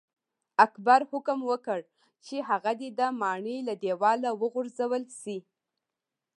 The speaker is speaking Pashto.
اکبر حکم وکړ چې هغه دې د ماڼۍ له دیواله وغورځول شي.